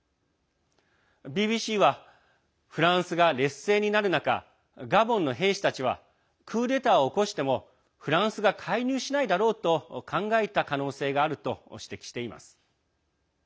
ＢＢＣはフランスが劣勢になる中ガボンの兵士たちはクーデターを起こしてもフランスが介入しないだろうと考えた可能性があると指摘しています。